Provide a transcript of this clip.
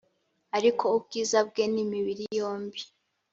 ariko ubwiza bwe ni imibiri yombi